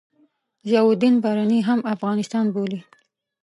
ضیاألدین برني هم افغانستان بولي.